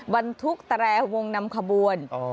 บรรทุกแตรวงนำขบวน